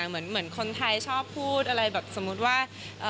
เหมือนคนไทยชอบพูดอะไรแบบสมมุติว่า